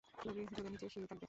Lobby জুড়ে নিচু সিঁড়ি থাকবে।